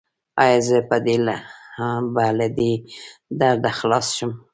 ایا زه به له دې درده خلاص شم؟